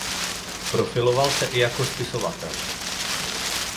Profiloval se i jako spisovatel.